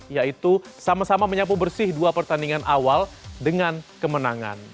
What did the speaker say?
yaitu sama sama menyapu bersih dua pertandingan awal dengan kemenangan